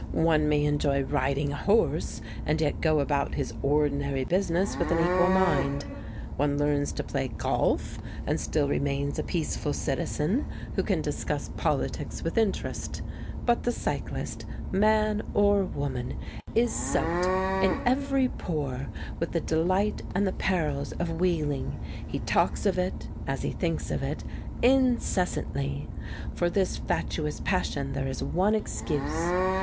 One may enjoy riding a horse and yet go about his ordinary business with an equal mind. One learns to play golf and still remains a peaceful citizen who can discuss politics with interest. But the cyclist, man or woman, is soaked in every pore with the delight and the perils of wheeling. He talks of it (as he thinks of it) incessantly. For this fatuous passion there is one excuse.